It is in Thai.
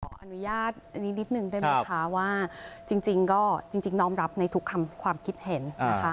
ขออนุญาตนิดนึงด้วยมีคะว่าจริงก็จริงน้องรับในทุกความคิดเห็นนะคะ